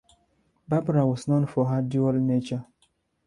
Barbara was known for her dual nature.